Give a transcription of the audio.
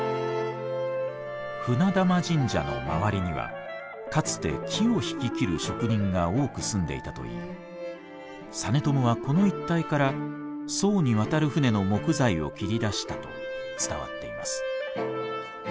船玉神社の周りにはかつて木をひき切る職人が多く住んでいたといい実朝はこの一帯から宋に渡る船の木材を切り出したと伝わっています。